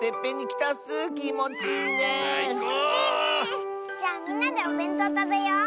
きもちいいね。じゃあみんなでおべんとうたべよう。